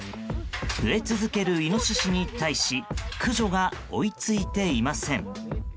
増え続けるイノシシに対し駆除が追いついていません。